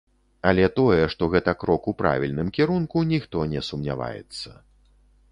Але тое, што гэта крок у правільным кірунку, ніхто не сумняваецца.